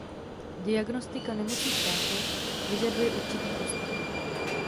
Diagnostika nemocí ptáků vyžaduje určitý postup.